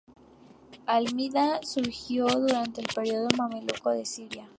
Al-Midán surgió durante el periodo mameluco de Siria.